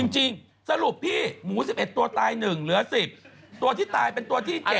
จริงสรุปพี่หมู๑๑ตัวตาย๑เหลือ๑๐ตัวที่ตายเป็นตัวที่๗